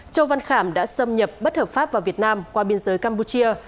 châu văn khảm đã xâm nhập bất hợp pháp vào việt nam qua biên giới campuchia